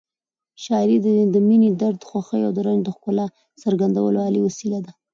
شاعري د مینې، درد، خوښۍ او رنج د ښکلا څرګندولو عالي وسیله ده.